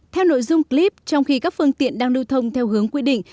theo nội dung clip trong khi các phương tiện đang lưu thông theo hướng quy định